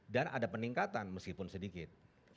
dan ada peningkatan meskipun sedikit